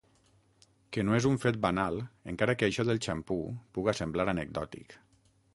Que no és un fet banal, encara que això del xampú puga semblar anecdòtic.